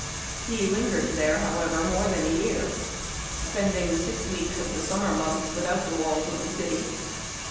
He lingered here, however, more than a year, spending six weeks of the summer months without the walls of the city.